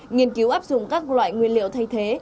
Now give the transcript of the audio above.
nghiên cứu áp dụng các loại nguyên liệu thay thế